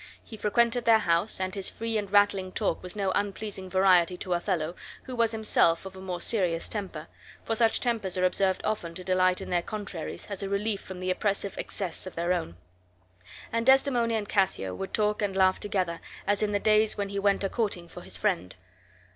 He frequented their house, and his free and rattling talk was no unpleasing variety to Othello, who was himself of a more serious temper; for such tempers are observed often to delight in their contraries, as a relief from the oppressive excess of their own; and Desdemona and Cassio would talk and laugh together, as in the days when he went a courting for his friend.